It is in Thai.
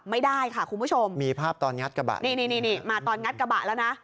ไม่ได้ค่ะคุณผู้ชมมีภาพตอนงัดกระบะนี่นี่มาตอนงัดกระบะแล้วนะ